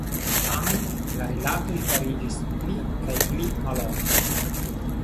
Tamen, la rilatoj fariĝis pli kaj pli maloftaj.